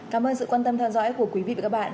cảm ơn sự quan tâm theo dõi của quý vị và các bạn